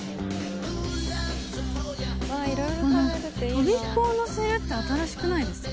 とびこを載せるって新しくないですか？